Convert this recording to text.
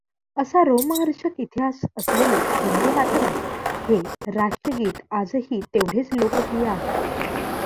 असा रोमहर्षक इतिहास असलेले वंदे मातरम् हे राष्ट्रगीत आजही तेवढेच लोकप्रिय आहे.